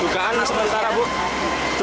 dugaan sementara bu